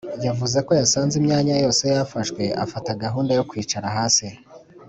yavuze ko yasanze imyanya yose yafashwe afata gahunda yo kwicara hasi